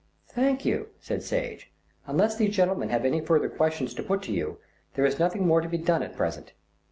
"Thank you," said Sage. "Unless these gentlemen have any further questions to put to you, there is nothing more to be done at present."